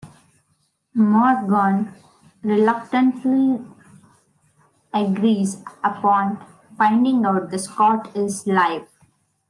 Morgan reluctantly agrees upon finding out that Scott is alive.